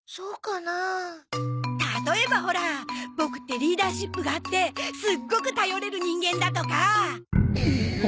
例えばほらボクってリーダーシップがあってすっごく頼れる人間だとか。